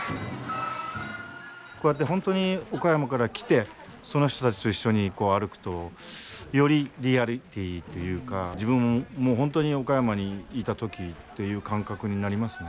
こうやって本当に岡山から来てその人たちと一緒に歩くとよりリアリティーというか自分も本当に岡山にいた時という感覚になりますね。